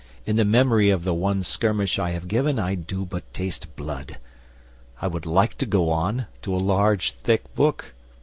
In the memory of the one skirmish I have given I do but taste blood. I would like to go on, to a large, thick book.